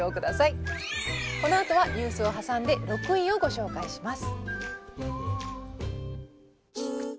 このあとはニュースを挟んで６位をご紹介します。